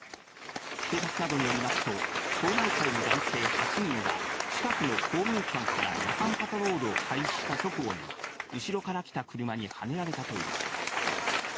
警察などによりますと、町内会の男性８人が近くの公民館から夜間パトロールを開始した直後に後ろから来た車にはねられたということです。